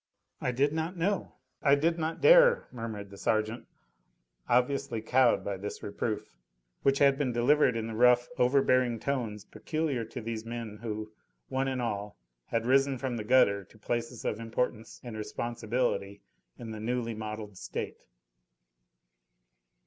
"I did not know I did not dare " murmured the sergeant, obviously cowed by this reproof, which had been delivered in the rough, overbearing tones peculiar to these men who, one and all, had risen from the gutter to places of importance and responsibility in the newly modelled State.